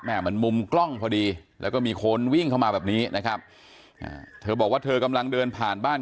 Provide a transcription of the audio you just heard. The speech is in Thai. มันมุมกล้องพอดีแล้วก็มีคนวิ่งเข้ามาแบบนี้นะครับเธอบอกว่าเธอกำลังเดินผ่านบ้าน